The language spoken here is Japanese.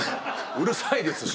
うるさいですし。